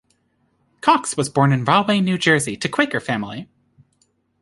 Cox was born in Rahway, New Jersey to Quaker family.